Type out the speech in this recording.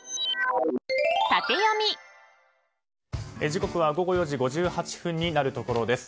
時刻は午後４時５８分になるところです。